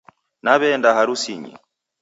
Naeweenda harusinyi